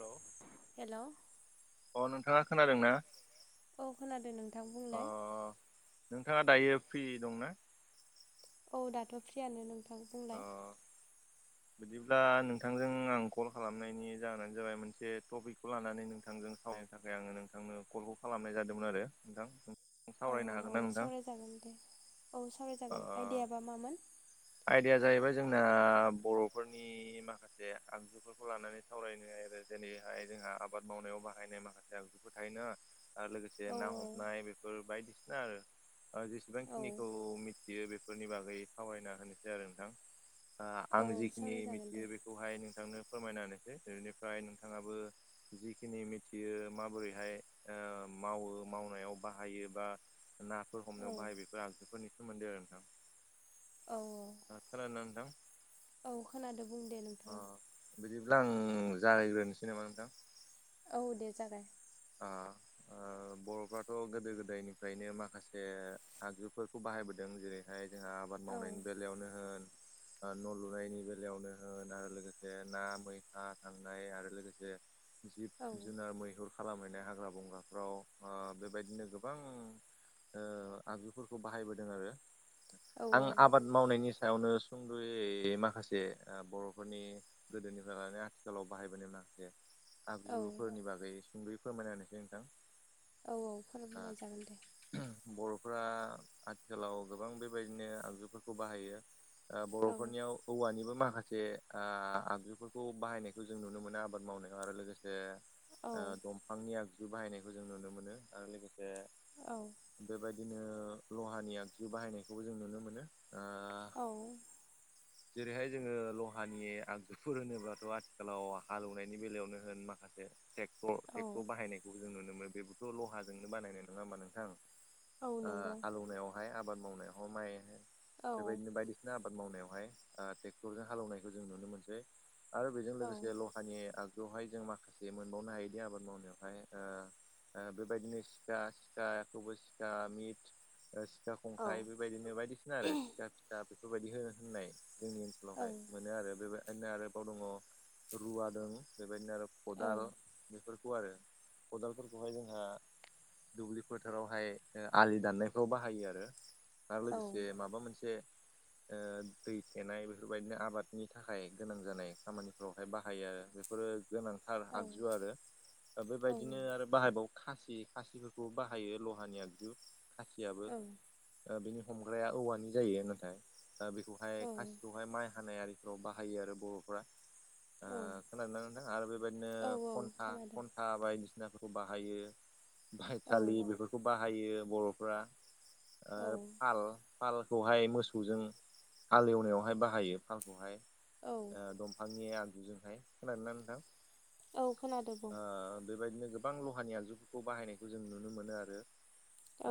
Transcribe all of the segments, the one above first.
Hello hello अ नोंथाङा खोनादों ना औ खोनादों नोंथां अ बुंलाय नोंथाङा दायो फ्रि दंना औ दाथ' फ्रियानो नोंथां अ बुंलाय [inaudible] बिदिब्ला नोंथांजों आं कल खालामनायनि जाहोनानो जाबाय मोनसे टपिकखौ लानानै नोंथांजों रायलायनो थाखाय आङो नोंथांनो कलखौ खालामनाय जादोंमोन आरो नोंथां औ सावरायनो हागोन औ ना नोंथां सावरायजागोन दे औ सावरायजागोन ओ आइडियाबा मामोन आयदाया जाहैबाय जोंना बर'फोरनि नि माखासे आगजुफोरखौ लानानै सावरायनो आरो जे हाय जोंहा आबाद मावनायाव बाहायनाय माखासे आगजुफोर थायोना आरो लोगोसे औ ना हमनाय बेफोर बायदिसिना आरो ओ औ जेसेबांखिनिखौ मि थियो बेफोरनि बागै सावरायना होनोसै आरो नोंथां ओ आं औ जिखिनि सावरायजागोन मिथियो दे बे बेखौहाय नोंथांनो फोरमायना होनोसै बेनिफ्राय नोंथाङाबो जिखिनि मिथियो माबोरैहाय ओ मावो मावनायाव बाहायो बा नाफोर औ हमनायाव बाहायो बेफोर आगजुफोरनि सोमोन्दै आरो नोंथां औ खोनादोना नोंथां औ खोनादों बुं दे नों अ बिदिब्ला आं जागायग्रोनोसै नामा नोंथां औ दे जागाय आ ओ बर'फ्राथ' गोदो गोदायनिफ्रायनो माखासे आगजुफोरखौ बाहायबोदों जेरैहाय जोंहा आबाद औ मावनायनि बेलायावनो होन ओ न' लुनायनि बेलायावनो होन आरो लोगोसे ना मैहा थांनाय आरो लोगोसे जिब औ जुनार मैहुर खालामहैनाय हाग्रा बंग्राफ्राव ओ बेबायदिनो गोबां ओ आगजुफोरखौ बाहायबोदों आरो औ आं आबाद मावनायनि सायावनो सुंद'यै माखासे बर'फोरनि गोदोनिफ्राय लानानै आथिखालाव बाहायबोनो [unintelligible] औ आगजुफोरनि बागै सुंदयै फोरमायना होनोसै नोंथां औ औ फोरमाय जागोन दे बर'फ्रा आथिखालाव गोबां बेबायदिनो आगजुफोरखौ बाहायो ओ औ बर'फोरनियाव औवानिबो माखासे आ आगजुफोरखौ बाहायनायखौ जों नुनो मोनो आबाद मावनायाव आरो लोगोसे औ ओ दंफांनि आगजु बाहायनायखौ जों नुनो मोनो आरो लोगोसे औ बेबायदिनो लहानि आगजु बाहायनायखौबो जों नुनो मोनो ओ औ जेरैहाय जोङो लहानि आगजुफोर होनोब्लाथ' आथिखालाव हालेवनायनि बेलायावनो होन माखासे ट्रेक्ट औ ट्रेक्टर बाहायनायखौ जों नुनो मोनो बेबोथ' लहाजोंनो बानायनाय नङा होमबा नोंथां औ ओ नंगौ हालौनायावहाय आबाद मावनायावहाय माइ औ बेबायदिनो बायदिसिना आबाद मावनायावहाय ओ ट्रेक्टरजों हालौनायखौ जों नुनो मोनसै आरो बेजों औ लोगोसे ल हानि आगजुआवहाय जों माखासे मोनबावनो हायोदि आबाद मावनायावहाय ओ बेबायदिनो सिखा सिखाखौबो सिखा मिट सिखा औ खंखाइ बेबायदिनो बायदिसिना आरो सिखा फिसा बेफोरबायदि होनो होननाय जोंनि ओनस बेवहाय मोनो आरो बेबायदिनो आरोबाव दङ रुवा दं बेबायदिनो आरो खदाल बेफोरखौ आरो खदालफोरखौहाय जोंहा दुब्लि फोथारावहाय ओ आलि दाननायफ्राव बाहायो आरो आरो लोगोसे माबा मोनसे ओ दै थेनाय बेफोर बायदिनो आबादनि थाखाय गोनां जानाय खामानिफोरावहाय बाहायो आरो बेफोरो गोनांथार आगजु आरो दा औ बेबायदिनो आरो बाहायबावो खासि खासिफोरखौबो बाहायो लहानि आगजु खासियाबो औ ओ बिनि हमग्राया औवानि जायो नाथाय औ बेखौहाय खासिखौहाय माइ हानाय आरि बाहायो आरो बर'फ्रा औ ओ खोनादों ना नोंथां आरो बेबायदिनो औ औ खन्था खोनादों खन था बायदिसिनाफोरखौ बाहायो औ बायथालि बेफोर खौ बाहायो बर'फ्रा औ ओ फाल फालखौहाय मोसौजों हाल एवनायावहाय बाहायो फालखौहाय औ दंफांनि आगजुजोंहाय खोनादोंनानै नोंथां औ खोनादों बुं ओ बेबायदिनो गोबां लहानि आगजुफोरखौ बाहायनायखौ जों नुनो मोनो आरो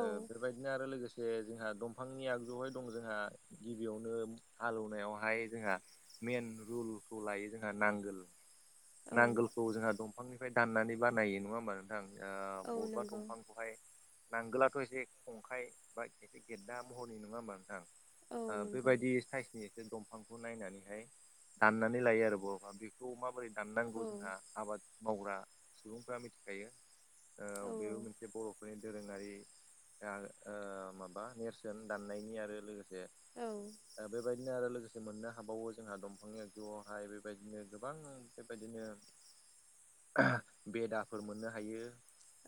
औ बेबायदिनो आरो लोगोसे जोंहा दंफांनि आगजुहाय दं जोंहा गिबियावनो हालौवनायावहाय जोंहा मइेन रुलखौ लायो जोंहा नांगोल औ नांगोलखौ जोंहा दंफांनिफ्राय दाननानै बानायो नङा होमबा नोंथां औ नंगौ बबेबांफां बेहाय नांगोलाथ' एसे खंखाइ बा ए गेददना महरनि नङा होमबा नोंथां औ नंगौ बेबायदि साइ से दंफांखौ नायनानैहाय दाननानै लायो आरो बाबा बेखौ माबोरै औ दामनांगौ जोंहा आबाद मावग्रा सुबुंफ्रा मिथिखायो औ ओ बेबो मोनसे बर'फोरनि दोरोङारि माबा नेरसोन दाननायनि आरो लोगोसे औ बेबायदि बिदिनो आरो लोगोसे मोननो हाबावो जोंहा दंफांनि आगजुआवहाय बेबायदिनो गोबां बेबायदिनो बेदाफोर मोननो हायो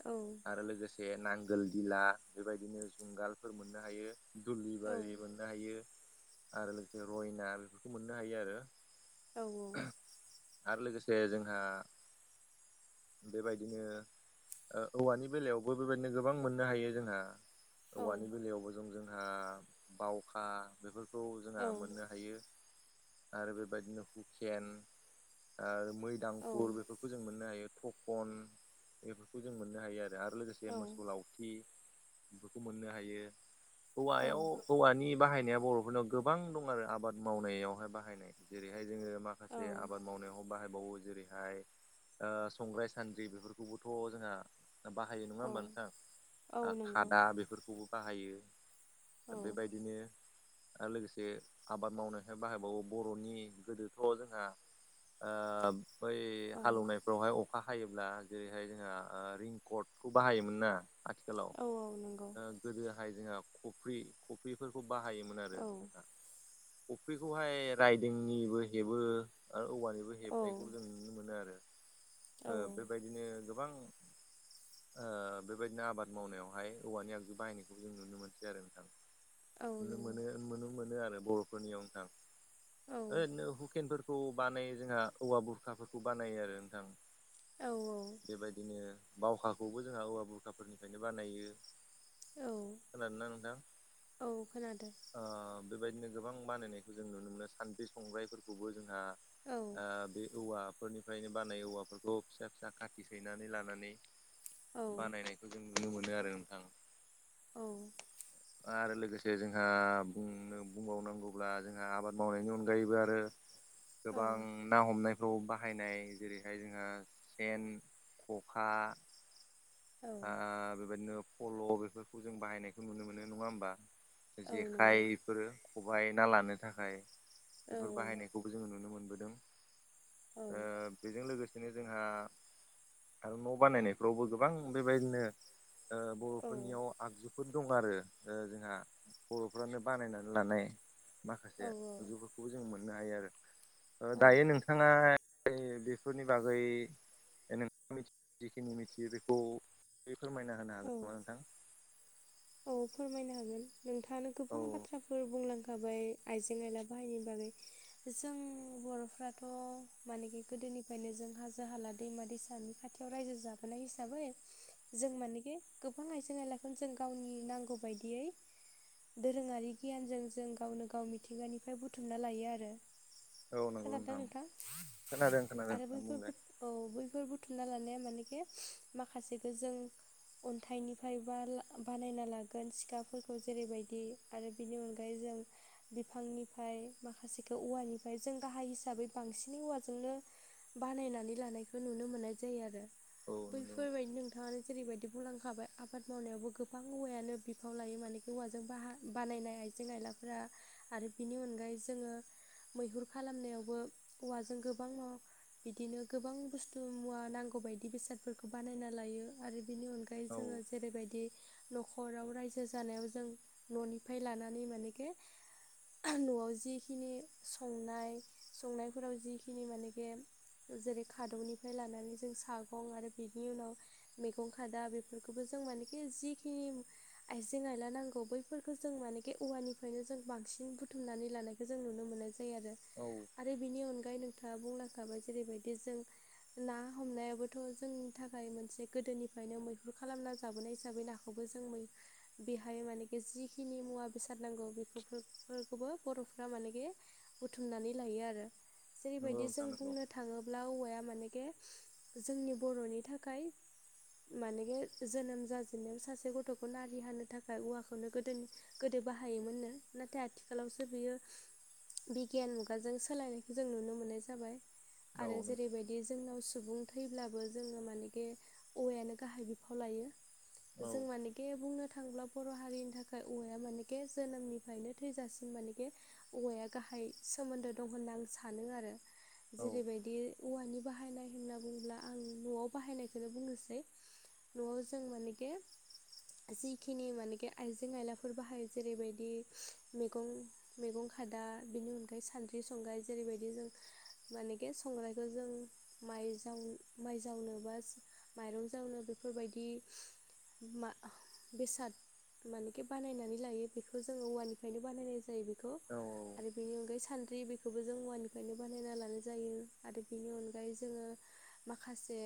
औ आरो लोगोसे नांगोल दिला बेबायदिनो जुंगालफोर मोननो हायो द्लि औ बारि मोननो हायो आरो लोगोसे रयना बेफोरखौ मोननो हायो आरो औ औ आरो लोगोसे जोंहा बेबायदिनो औवानि बेलायावबो बेबायदिनो गोबां मोननो हायो जोंहा औवानि बेलायावबो जों जोंहा बावखा बेफोर खौ जोंहा औ औ मोननो हायो आरो बेबायदिनो हुकेन आरो मै दांखुर बेफोरखौ बेखौ जों मोननो हायो टकन बेफोरखौ जों मोननो हायो आरो लोगोसे मोसौलाव बेफोरखौ मोननो हायो हौवायाव औवानि बाहायनाया बर'फोरनाव गोबां दं आरो आबाद मावनायावहाय बाहायनाय जेरैहाय जोङो माखासे आबाद औ मावनायाव बाहायबावो जेरैहाय संग्राय सान्द्रि बेफोरखौबोथ' जोंहा बाहायो नङा होमबा नोंथां नंगौ खादा बेफोरखौबो बाहायो औ दा बेबायदिनो आरो लोगोसे आबाद मावनायखाय बाहायबावो बर'नि गोदोथ' जोंहा आ बै हालौवनायफ्रावहाय अखा हायोब्ला जेरैहाय जोंहा रिंकड खौ बाहायोमोन ना आथिखाल औ नंगौ आथिखालाव गोदोहाय जोंहा कफ्रि कफ्रिफोरखौ बाहायोमोन आरो औ जोंहा कफ्रिखौहाय रायदोंनिबो हेबो आरो औवानिबो औ हेबनायखौ जों नुनो मोनो आरो औ बेबायदिनो गोबां ओ बेबायदिनो आबाद मावनायावहाय औवानि आगजु बाहायनायखौबो जों नुनो मोनसै आरो नोंथां औ नुनो मोनो नंगौ नुनो मोनो आरो बर'फोरनियाव नोंथां औ ओरैनो हुकेन खौ बानायो जोंहा औवा बुरखाफोरखौ बानायो आरो नोंथां औ बेबायदिनो बावखाखौबो जोंहा औवा बुरखाफोरनिफ्रायनो बानायो औ खोनादोंना नोंथां। औ खोनादों ओ बेबायदिनो गोबां बानायनायखौ जों नुनो मोनो सान्द्रि संग्राइफोरखौबो जोंहा औ औ बे औवाफोरनिफ्रायनो बानाय औवाफोरखौ फिसा फिसा खाथि सैनानै लानानै बानायनायखौ जों नुनो मोनो आरो नोंथां। औ आरो लोगोसे जोंहानो बुंबावनांगौब्ला जोंहा आबाद मावनायनि अनगायैबो आरो औ गोबां ना हमनायफ्राव बाहायनाय जेरैहाय जोङो सेन खखा औ आ बेबायदिनो फल' बेफोरखौ जों बाहायनायखौ नुनो मोनो नङा होमबा औ नंगौ जेखाय बेफोरो खबाइ ना लानो थाखाय औ बेफोर बाहायनाय खौबो जोङो नुनो मोनबोदों। औ ओ बेजों लोगोसेनो जोंहा आरो न' बानायनायफ्रावबो गोबां बेबायदिनो ओ औ बर'फोरनियाव आगजुफोर दं आरो ओ जोंहा बर'फ्रानो बानायनानै लानाय माखासे औ औ आजुफोरखौबो जों मोननो हायो आरो दायो नों औ नोंथाङा बेफोरनि बागै नोंथाङा जिखिनि मिथियो बे खौ। फोरमायना होनो हागोन नामा नोंथां? औ फोरमायनो हागोन नोंथाङानो औ गोबां बाथ्राफोर बुंलांखा खाबाय आइजें आइला बाहायनायनि बागै। जों बर'फ्राथ' मानेखि गोदोनिफ्रायनो जों हाजो हाला दैमा दैसानि खाथि खाथियाव रायजो जाबोनाय हिसाबै जों मानेखि गोबां आइजें आयलाखौनो जों गावनि नांगौ बायदियै दोरोङारि गियानजों जों गावनो गाव मिथिंगानिफ्राय बुथुमना लायो आरो। औ नंगौ खोनादोंना नोंथां खोनादों खोनादों आरो नोंथां बुंलाय बैफोरबो औ बैफोर बुथुमना लानाया मानेखे माखासेखो जों अन्थाइनिफ्राय बा बानायना लागोन सिखाफोरखौ जेरैबायदि आरो बेनि अनगायै जों बिफांनिफ्राय माखासेखौ औवानिफ्राय जों गाहाय हिसाबै बांसिनै औवाजोंनो बानायनानै लानायखौ नुनो मोननाय जायो आरो। औ नंगौ बैफोर बायदि नोंथाङानो जेरैबायदि बुंलांखाबाय आबाद मावनायावबो गो बां औवायानो बिफाव लायो माने औवाजों बाहा-बानायनाय आइजें आइलाफोरा आरो बिनि अनगायै जोङो मैहुर खालामनायावबो औवाजों गोबां माबा बिदिनो गोबां बुस्थु मुवा नांगौ बायदि बेसादफोरखौ बानायना लायो आरो बेनि अनगा यै औ जोङो जेरैबायदि न'खराव रायजो जानायाव जों न'निफ्राय लानानै मानेखे न'आव जिखिनि संनाय संनायफोराव जिखिनि मानेखि जेरै खादौनिफ्राय लानानै जों सागं आरो बेनि उनाव मैगं खादा बेफोरखौबो जों मानेखि जिखि आयजें आयला नांगौ बैफोरखौ जों मानेखे औवानिफ्रायनो जों बांसिन बुथुमनानै लानाय खौ जों नुनो मोननाय जायो आरो। औ। आरो बिनि अनगायै नोंथाङा बुंलांखाबाय जेरैबायदि जों ना हमनायाबोथ' जोंनि थाखाय मोनसे गोदोनिफ्रायनो मैहुर खालामना जाबोनाय हिसाबै ना हम खौबो जों बै बेहाय माने जिखिनि मुवा बेसाद नांगौ बे खौबो बर'फ्रा मानेखि बुथुमनानै लायो आरो। नंगौ जेरैबायदि जों नोंथां नंगौ बुंनो था थाङोब्ला औवाया मानेखे जोंनि बर'नि थाखाय मानेखे जोनोम जाजेननायाव सासे गथ'खौ नारि हानो थाखाय औवाखौनो गोदोनि गोदो बाहायोमोननो नाथाय आथि खालावसो बियो बिगियान मुगाजों सोलायनायखौ जों नुनो मोननाय जाबाय। औ आरो नंगौ जेरैबायदि दि जोंनाव सुबुं थैब्लाबो जोङो मानेखि औवायानो गाहाय बिफाव लायो। औ जों मानेखे बुंनो थांब्ला बर' हारिनि थाखाय औवाया मानेखे जोनोमनिफ्रायनो थैजासिम मानेखे औवाया गाहाय सोमोन्दो दं होनना आं सानो आरो। औ जेरैबायदि बि औवानि बाहायनाय होनना बुङोब्ला आं न'आव बाहायनायखौनो बुंनोसै। र' जों मानेखे जिखिनि मानेखे आइजें आयलाफोर बाहायो जेरैबायदि मैगं मैगं खादा बिनि अनगायै सानद्रि संगाइ जेरैबायदि जों मानेखे संग्रायखौ जों माइ जाव माइ जावनोबा माइरं जावनो बेफोरबायदि मा बेसाद मानेखे बानायनानै लायो बेखौ जोङो औवानिफ्रायनो बानायनाय जायो औ बे बिनि अनगायै सानद्रि बेखौबो जों औवानिफ्रायनो बानायना लानाय जायो आरो बिनि अनगायै जोङो माखासे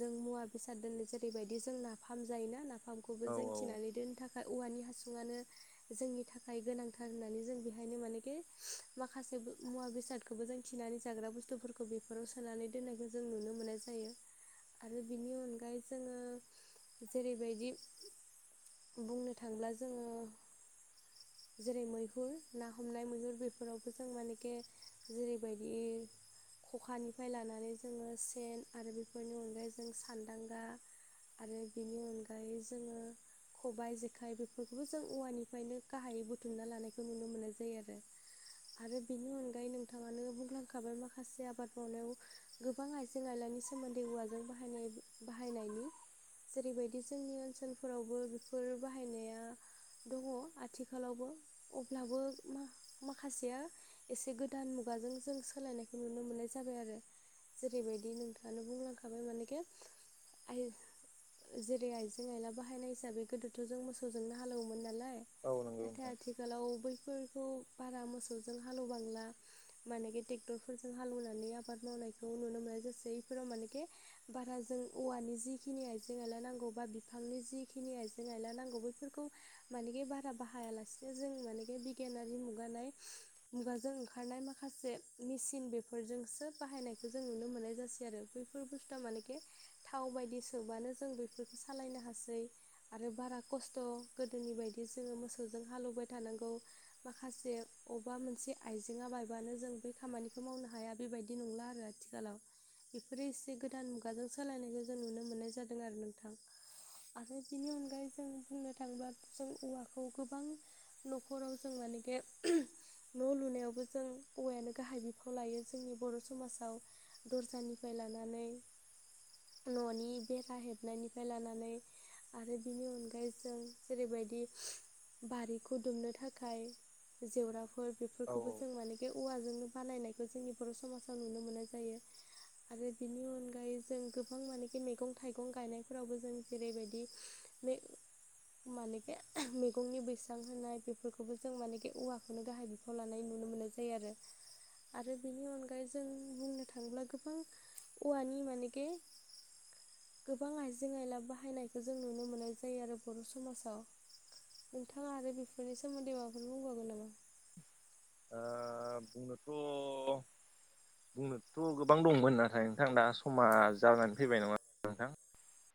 जों मुवा बेसाद दोनो जेरैबायदि जोंना नाफाम जायोना नाफामखौबो औ जों थिनानै दोननो थाखाय औवानि हासुङनो जोंनि थाखाय गोनांथार होननानै जों बेहायनो मानेखे माखासे मुवा बेसाद बेखौबो जों थिनानै जाग्रा बुस्थुफोरखौ बेफोराव सोनानै दोन्नायखौ जों नुनो मोननाय जायो आरो बिनि अनगायै जोङो जेरैबायदि बुंनो थांब्ला जोङो जेरै मैहुर ना हमनाय मैहुर बेफोरावबो जों मानेखे जेरैबायदि खखानिफ्राय लानानै जोङो सेन आरो बेफोरनि अनगायै जों सान्दांगा आरो बेनि अनगायै जोङो खबाइ जेखाइ बेफोरखौबो जों औवानिफ्रायनो गाहायै बुथुमना लानायखौ नुनो मोननाय जायो आरो। आरो बेनि अनगायै नोंथाङानो बुंलांखाबाय माखासे आबाद मावनायाव गोबां आइजें आइलानि सोमोन्दै औवाजों बाहायनाय बाहायनायनि जेरैबायदि जोंनि ओनसोलफोरावबो बेफोर बाहायनाया दङ आथि आथिखालावबो अब्लाबो माखासेया एसे गोदान मुगाजों जों सोलायनायखौ नुनो मोननाय जाबाय आरो जेरैबायदि नोंथाङानो बुंलांखाबाय मानेखि आय जेरै आइजें आइला बाहायनाय हिसाबै गोदोथ' जों मोसौजोंनो हालेवोमोन नालाय औ नंगौ [unintelligible] नोंथां आथिखालाव बैफोरखौ बारा मोसौजों हालौबांला मानि बे ट्रेक्टरफोरजों हालेवनानै आबाद मावनायखौ नुनो मोननाय जासै इफोराव मानेकि बारा जों औवानि जिखिनि आइजें आइला नांगौ बा बिफांनि जिखिनि आइजें आइला नांगौ बैफोरखौ माने बारा बाहायालासेनो जों मानेे बिगियानारि मुगानाय मुगाजों ओंखारनाय माखासे मेसिन बेफोरजोंसो बाहायनायखौ जों नुनो मोननाय जासै आरो बैफोर बेफोर बुस्थुआ मानेखे थाव बायदि सोमबानो जों बेफोरखौ सालायनो हासै आरो बारा खस्थ' गोदोनि बायदि जोङो मोसौजों हालेवबाय थानांगौ माखासे अबेबा मोनसे आइजेंया बायबानो जों बै खामानिखौ मावनो हाया बेबायदि नंला आरो आथिखालाव बेफोरो एसे गोदान मुगाजों सोलायनायखौ जों नुनो मोननाय जादों आरो नोंथां। आरो बिनि अनगायै जों बुंनो थाङोबा जों औवा खौ गोबां न'खराव जों मानेखे न' लुनायावबो जों औवायानो गाहाय बिफाव लायो जोंनि बर' समाजाव दरसानिफ्राय लानानै न'नि बेरा हेबनायनिफ्राय लानानै आरो बिनि अनगायै जों जेरैबायदि बारिखौ दुमनो थाखाय जेवराफोर औ बेफोरखौबो औ जों माने बेे औवाजोंनो बानायनायखौ जोंनि बर' समाजाव नुनो मोननाय जायो। आरो बिनि अनगायै जों गोबां मानेखि मैगं थाइगं गायनायफोरावबो जों जेरैबायदि माने बे मैगंनि बैस्रां होनाय बेफोरखौबो जों मानेखि औवाखौनो गाहाय बिफाव लानाय नुनो मोननाय जायो आरो आरो बेनि अनगायै जों बुंनो थाङोब्ला गोबां औवानि मानेखे गोबां आइजें आयला बाहायनायखौ जों नुनो मोननाय जायो आरो बर' समाजाव नोंथाङा आरो बेफोरनि सोमोन्दै माबाफोर बुंबावगोन नामा? ओ बुंनोथ' बुंनोथ' गोबां दंमोन नाथाय नोंथां दा समा जानानै फैबाय नङा नोंथां